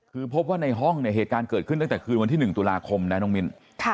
คือพบว่าในห้องเนี่ยเหตุการณ์เกิดขึ้นตั้งแต่คืนวันที่๑ตุลาคมนะน้องมิ้น